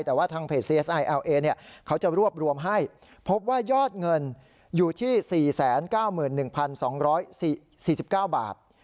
แต่ว่าทางเพจซีเอสไอเอลเอเนี่ยเขาจะรวบรวมให้พบว่ายอดเงินอยู่ที่สี่แสนเก้าหมื่นหนึ่งพันสองร้อยสี่สิบเก้าบาท